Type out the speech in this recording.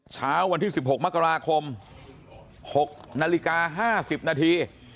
เช้าวันที่๑๖มกราคม๖นาฬิกา๕๐นาที